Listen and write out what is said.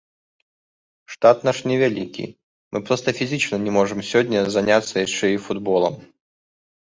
Штат наш невялікі, мы проста фізічна не можам сёння заняцца яшчэ і футболам.